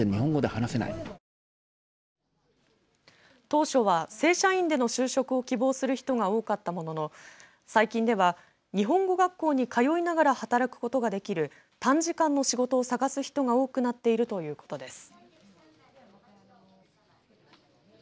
当初は正社員での就職を希望する人が多かったものの最近では日本語学校に通いながら働くことができる短時間の仕事を探す人が多くなっているということです。